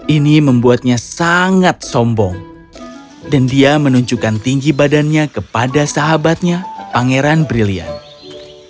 ini membuatnya sangat sombong dan dia menunjukkan tinggi badannya kepada sahabatnya pangeran brilliant